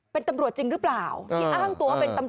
เป็นตำรวจจริงหรือเปล่า